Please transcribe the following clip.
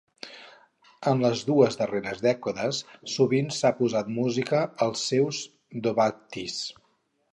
En les dues darreres dècades, sovint s'ha posat música als seus do-baytis.